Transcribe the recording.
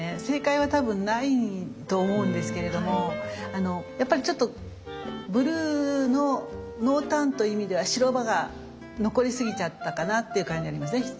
正解は多分ないと思うんですけれどもやっぱりちょっとブルーの濃淡という意味では白場が残りすぎちゃったかなっていう感じありますね。